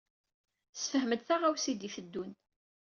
Sefhem-d taɣawsa i d-iteddun.